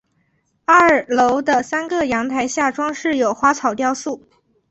二楼的三个阳台下装饰有花草雕塑。